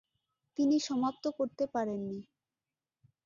তিনি সমাপ্ত করতে পারেননি।